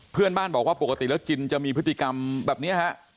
เพื่อนบ้านบอกว่าปกติแล้วจินจะมีพฤติกรรมแบบนี้ฮะ